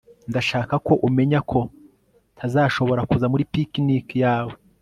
ndashaka ko umenya ko ntazashobora kuza muri picnic yawe